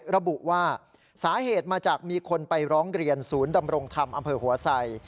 ระบุว่าสาเหตุมาจากมีคนไปร้องเรียนศูนย์ดำรงธรรมอำเภอหัวไส